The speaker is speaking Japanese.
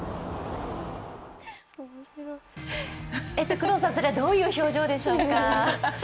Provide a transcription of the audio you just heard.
工藤さん、それはどういう表情でしょうか。